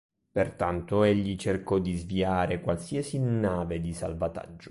Pertanto egli cercò di sviare qualsiasi nave di salvataggio.